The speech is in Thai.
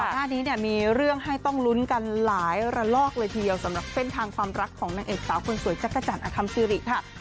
หน้านี้เนี่ยมีเรื่องให้ต้องลุ้นกันหลายระลอกเลยทีเดียวสำหรับเส้นทางความรักของนางเอกสาวคนสวยจักรจันทร์อคัมซิริค่ะ